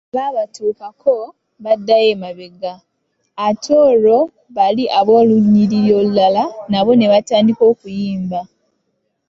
"Bwe babatuukako, baddayo emabega ate olwo bali ab’olunyiriri olulala nabo ne batandika okuyimba."